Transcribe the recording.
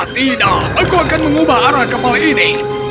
tidak aku akan mengubah arah kapal ini